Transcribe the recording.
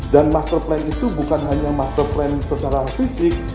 dan master plan itu bukan hanya master plan secara fisik